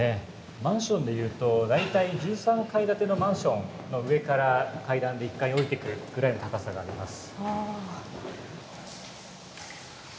マンションでいうと、大体１３階建てのマンションの上から、階段で１階に下りてくるくらいの高さがあります。